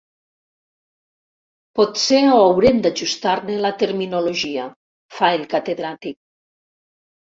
Potser haurem d'ajustar-ne la terminologia —fa el catedràtic—.